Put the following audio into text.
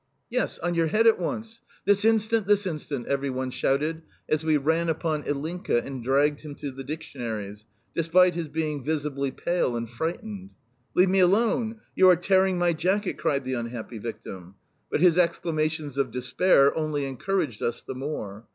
"Yes, on your head at once! This instant, this instant!" every one shouted as we ran upon Ilinka and dragged him to the dictionaries, despite his being visibly pale and frightened. "Leave me alone! You are tearing my jacket!" cried the unhappy victim, but his exclamations of despair only encouraged us the more.